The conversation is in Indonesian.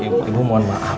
ibu ibu ibu mohon maaf